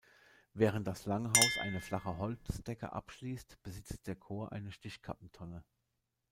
Während das Langhaus eine flache Holzdecke abschließt, besitzt der Chor eine Stichkappentonne.